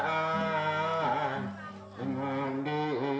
kampunga anung di